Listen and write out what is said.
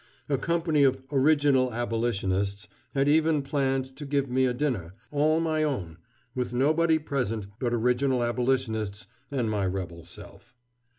A company of "original abolitionists" had even planned to give me a dinner, all my own, with nobody present but original abolitionists and my Rebel self.